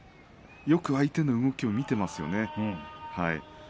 よく相手の動きを見ていますよね。